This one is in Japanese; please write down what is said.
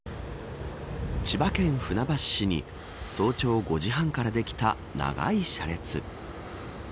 千葉県船橋市に早朝５時半からできた長い車列。